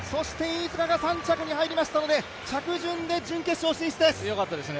飯塚が３着に入りましたので、着順で準決勝進出です。